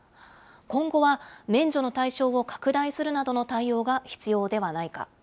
今後は免除の対象を拡大するなどの対応が必要ではないか。